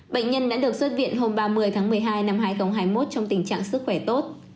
bệnh nhân đã được xuất viện hôm ba mươi tháng một mươi hai năm hai nghìn hai mươi một trong tình trạng sức khỏe tốt